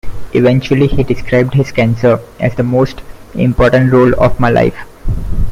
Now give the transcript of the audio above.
Eventually he described his cancer as "the most important role of my life".